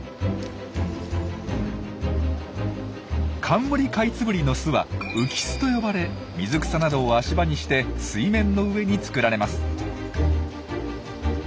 カンムリカイツブリの巣は「浮き巣」と呼ばれ水草などを足場にして水面の上に作られます。